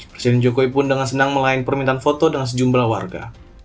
presiden jokowi pun dengan senang melayani permintaan foto dengan sejumlah warga